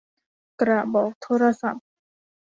กระบอกโทรศัพท์